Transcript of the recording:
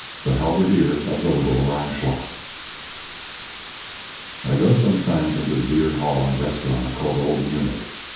XX THE HALBERDIER OF THE LITTLE RHEINSCHLOSS I go sometimes into the Bierhalle and restaurant called Old Munich.